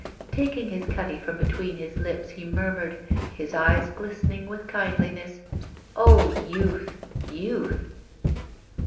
Taking his cutty from between his lips, he murmured, his eyes glistening with kindliness, 'Oh, youth, youth!